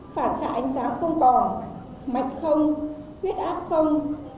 phản xạ ánh sáng không còn mạch không huyết áp không